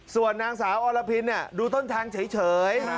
ส่วนนางสาวอรพินดูต้นทางเฉย